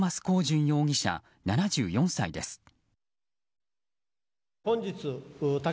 高旬容疑者、７４歳です。